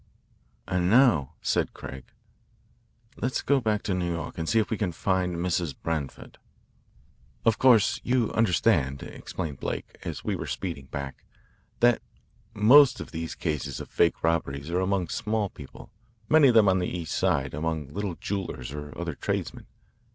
"And now," said Craig, "let us go back to New York and see if we can find Mrs. Branford." "Of course you understand," explained Blake as we were speeding back, "that most of these cases of fake robberies are among small people, many of them on the East Side among little jewellers or other tradesmen.